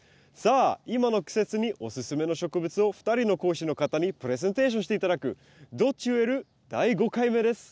さあ今の季節におすすめの植物を２人の講師の方にプレゼンテーションして頂く「どっち植える？」